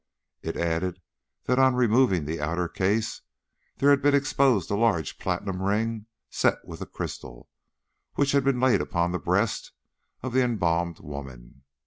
It added that on removing the outer case there had been exposed a large platinum ring set with a crystal, which had been laid upon the breast of the embalmed woman.